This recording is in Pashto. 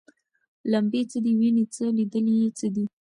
لمبې څه دي ویني څه لیدل یې څه دي